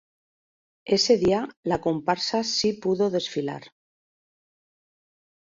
Ese día, la comparsa sí pudo desfilar.